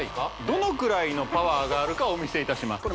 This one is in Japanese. どのくらいのパワーがあるかお見せいたします